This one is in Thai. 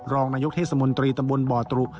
รองนายกเทศมนตรีตำบลบ่อตรุ